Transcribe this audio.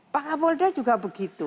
pak kapolda juga begitu